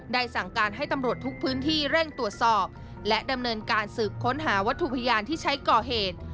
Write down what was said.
สั่งการให้ตำรวจทุกพื้นที่เร่งตรวจสอบและดำเนินการสืบค้นหาวัตถุพยานที่ใช้ก่อเหตุ